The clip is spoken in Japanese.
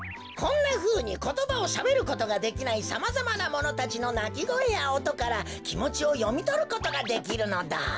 こんなふうにことばをしゃべることができないさまざまなものたちのなきごえやおとからきもちをよみとることができるのだ。